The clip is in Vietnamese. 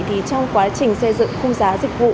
thì trong quá trình xây dựng khung giá dịch vụ